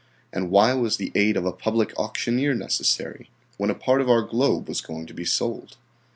And why was the aid of a public auctioneer necessary when a part of our globe was going to be sold?